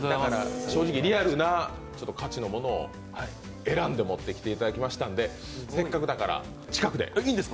正直リアルな価値のものを選んで持ってきていただきましたんでせっかくだから近くで。